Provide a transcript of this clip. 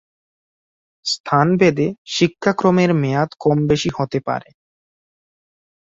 স্থানভেদে শিক্ষাক্রমের মেয়াদ কম-বেশি হতে পারে।